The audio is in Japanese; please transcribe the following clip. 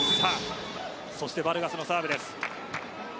そして、バルガスのサーブです。